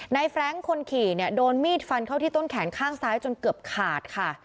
แฟรงค์คนขี่เนี่ยโดนมีดฟันเข้าที่ต้นแขนข้างซ้ายจนเกือบขาดค่ะ